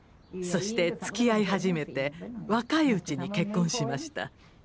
そしてつきあい始めて若いうちに結婚しました。